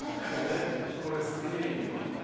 これすげえいいわ。